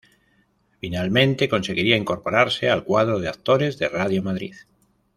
Finalmente, conseguiría incorporarse al cuadro de actores de Radio Madrid.